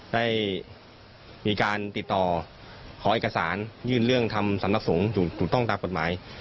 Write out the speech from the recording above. ได้มีการติดต่อขอเอกสารยื่นเรื่องทำสำนักสงฆ์ถูกต้องตามกฎหมาย